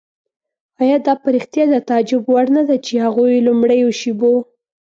آیا دا په رښتیا د تعجب وړ نه ده چې په هغو لومړیو شېبو.